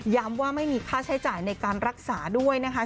ว่าไม่มีค่าใช้จ่ายในการรักษาด้วยนะคะ